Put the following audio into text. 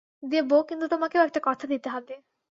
দেব, কিন্তু তোমাকেও একটা কথা দিতে হবে।